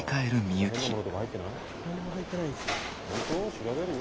調べるよ。